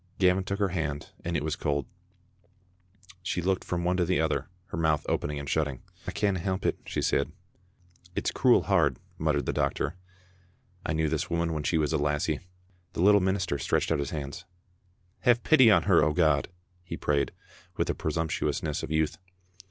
Gavin took her hand, and it was cold. She looked from one to the other, her mouth opening and shutting. " I canna help it," she said. " It's cruel hard," muttered the doctor. " I knew this woman when she was a lassie." The little minister stretched out his hands. "Have pity on her, O God!" he prayed, with the presumptuousness of youth.